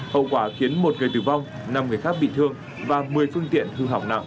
hậu quả khiến một người tử vong năm người khác bị thương và một mươi phương tiện hư hỏng nặng